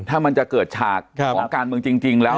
ถ้ามันจะเกิดฉากของการเมืองจริงแล้ว